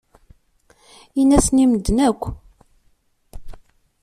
Ini-asen i medden akk.